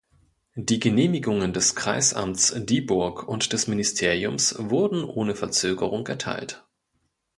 Die Genehmigungen des Kreisamts Dieburg und des Ministeriums wurden ohne Verzögerung erteilt.